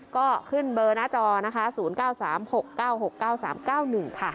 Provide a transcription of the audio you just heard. ก็ขึ้นเบอร์หน้าจอนะคะศูนย์เก้าสามหกเก้าหกเก้าสามเก้าหนึ่งค่ะ